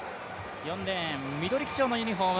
４レーン緑基調のユニフォーム